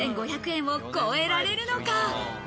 ６５００円を超えられるのか。